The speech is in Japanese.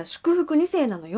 ２世なのよ